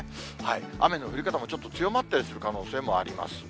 雨の降り方もちょっと強まったりする可能性もあります。